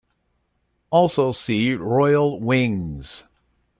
Also see "Royal Wings".